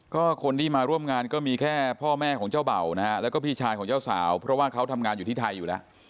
ก็คนที่มาร่วมงานก็มีแค่พ่อแม่ของเจ้าเบ่านะฮะแล้วก็พี่ชายของเจ้าสาวเพราะว่าเขาทำงานอยู่ที่ไทยอยู่แล้ว